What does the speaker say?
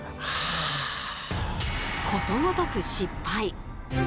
ことごとく失敗。